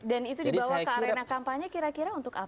dan itu dibawa ke arena kampanye kira kira untuk apa